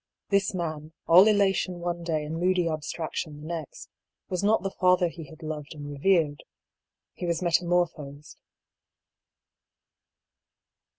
This man, all elation one day and moody ab straction the next, was not the father he had loved and revered. He was metamorphosed.